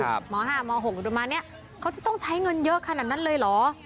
ครับหมอห้าหมอหกประมาณเนี้ยเขาจะต้องใช้เงินเยอะขนาดนั้นเลยเหรอ